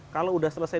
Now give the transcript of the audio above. kalau sudah selesai